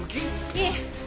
いえ。